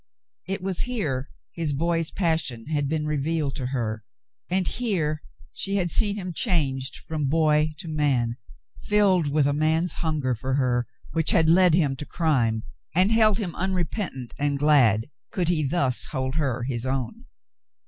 It was here his boy's passion had been revealed to her, and here she had seen him changed from boy to man, filled with a man's hunger for her, which had led him to crime, and held him unrepentant and glad could he thus hold her his own.